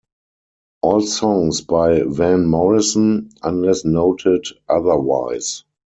All songs by Van Morrison, unless noted otherwise.